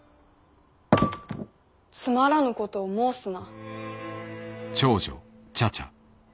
つまらぬことを申すな。